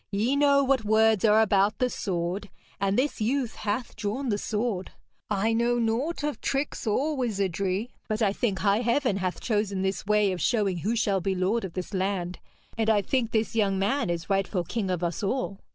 'Ye know what words are about the sword, and this youth hath drawn the sword. I know naught of tricks or wizardry, but I think high Heaven hath chosen this way of showing who shall be lord of this land, and I think this young man is rightful King of us all.'